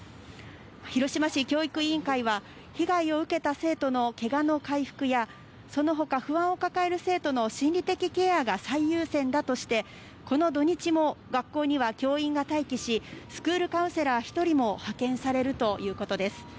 広島市教育委員会は被害を受けた生徒のけがの回復やその他、不安を抱える生徒の心理的ケアが最優先だとして学校には教員が待機しスクールカウンセラー１人も派遣されるということです。